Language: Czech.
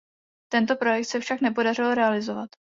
Tento projekt se však nepodařilo realizovat.